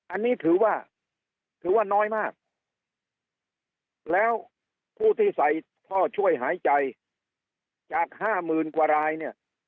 อันนี้ถือว่าถือว่าน้อยมากแล้วผู้ที่ใส่ท่อช่วยหายใจจากห้าหมื่นกว่ารายเนี่ย